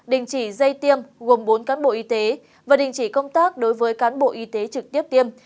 đình chỉ dây tiêm gồm bốn cán bộ y tế và đình chỉ công tác đối với cán bộ y tế trực tiếp tiêm